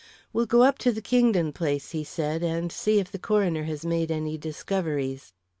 "We'll go up to the Kingdon place," he said, "and see if the coroner has made any discoveries.